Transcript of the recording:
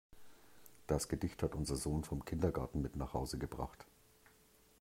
Das Gedicht hat unser Sohn vom Kindergarten mit nach Hause gebracht.